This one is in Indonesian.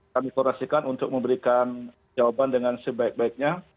kami korasikan untuk memberikan jawaban dengan sebaik baiknya